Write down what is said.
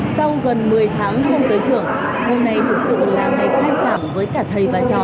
sau gần một mươi tháng không tới trường hôm nay thực sự là ngày khai sản với cả thầy và trò